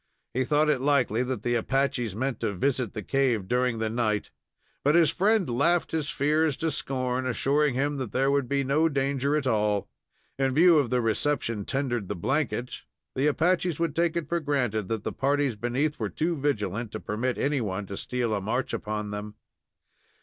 He thought it likely that the Apaches meant to visit the cave during the night; but his friend laughed his fears to scorn, assuring him that there could be no danger at all. In view of the reception tendered the blanket, the Apaches would take it for granted that the parties beneath were too vigilant to permit anyone to steal a march upon them.